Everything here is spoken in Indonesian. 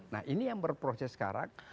nah ini yang berproses sekarang